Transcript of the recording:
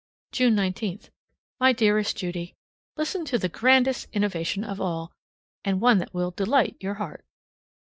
June 19th. My dearest Judy: Listen to the grandest innovation of all, and one that will delight your heart.